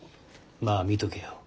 まあ見とけよ。